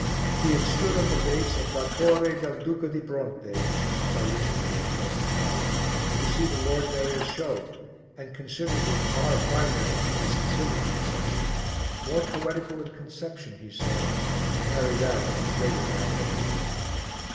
He had stood on the base of La Torre del Duca di Bronte (by which he meant the Nelson Column) to see the Lord Mayor's Show, and considered it far finer than any Sicilian procession more poetical in conception, he said, and carried out with greater magnificence.